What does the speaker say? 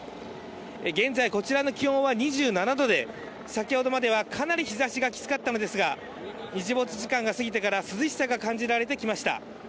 現在、こちらの気温は２７度で先ほどまではかなり日ざしがきつかったのですが日没時間が過ぎてから涼しさが感じられてきました。